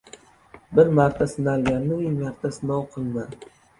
• Bir marta sinalganni ming marta sinov qilma.